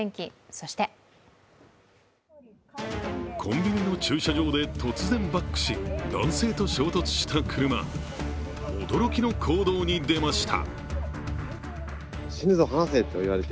そしてコンビニの駐車場で突然バックし、男性と衝突した車、驚きの行動に出ました。